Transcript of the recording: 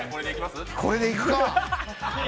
これでいくか！